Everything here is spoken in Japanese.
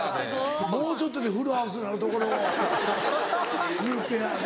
もうちょっとでフルハウスになるところを２ペアで。